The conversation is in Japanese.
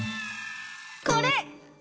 これ！